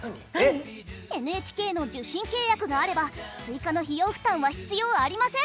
ＮＨＫの受信契約があれば追加の費用負担は必要ありません。